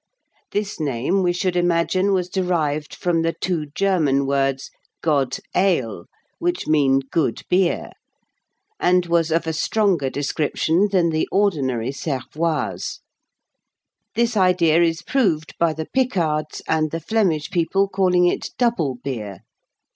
This name, we should imagine, was derived from the two German words god ael, which mean "good beer," and was of a stronger description than the ordinary cervoise; this idea is proved by the Picards and Flemish people calling it "double beer."